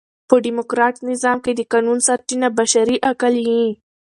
په ډیموکراټ نظام کښي د قانون سرچینه بشري عقل يي.